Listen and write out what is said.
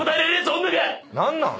何なん？